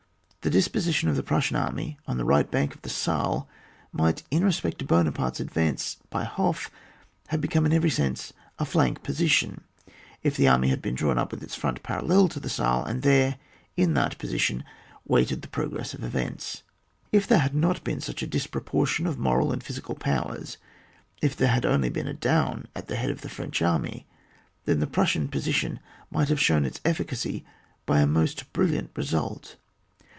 The dis position of the ^TLssian army, on the right bank of the Saal, might in respect to Buonaparte's advance by Hof, have become in every sense a flai^ position, if the army had been drawn up with its frt)nt parallel to the Saal, and there, in that position, waited the progress of events. If there had not been here such a dis proportion of moral and physical powers, if there had only been a Daun at the head of the French army, then the Prus sian position might have shown its efficacy by a most brilliant result.